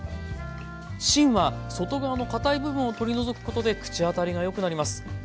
芯は外側のかたい部分を取り除くことで口当たりがよくなります。